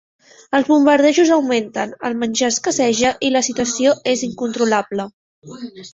Els bombardejos augmenten, el menjar escasseja i la situació és incontrolable.